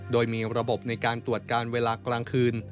โดยมีระบบในการตรวจการเวลากลางคืน